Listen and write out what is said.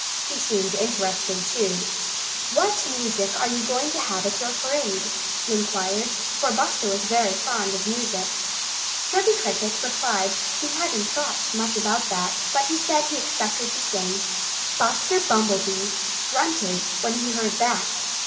He seemed interested, too. "What music are you going to have at your parade?" he inquired, for Buster was very fond of music. Chirpy Cricket replied that he hadn't thought much about that, but he said he expected to sing. Buster Bumblebee grunted when he heard that.